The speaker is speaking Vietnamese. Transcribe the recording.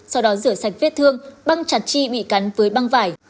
sau đó rửa sạch vết thương băng chặt chi bị cắn với băng vải